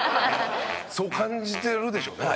そう感じてるでしょうね。